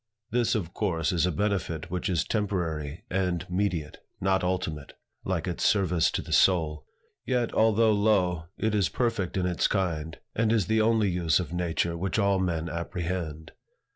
This, of course, is a benefit which is temporary and mediate, not ultimate, like its service to the soul. Yet although low, it is perfect in its kind, and is the only use of nature which all men apprehend.